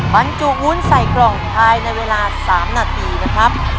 บรรจุวุ้นใส่กล่องภายในเวลา๓นาทีนะครับ